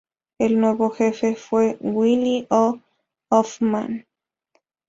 El nuevo jefe fue Willi O. Hoffmann.